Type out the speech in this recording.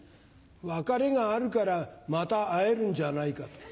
「別れがあるからまた会えるんじゃないか」と。